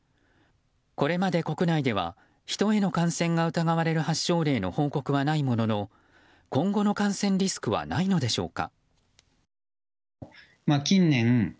これまで国内ではヒトへの感染が疑われる発症例の報告はないものの今後の感染リスクはないのでしょうか。